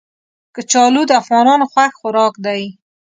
کچالو د افغانانو خوښ خوراک دی